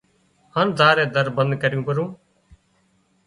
هانَ زائينَ در بند ڪريون پرون